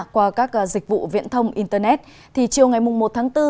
qua các dịch vụ viễn thông internet thì chiều ngày một tháng bốn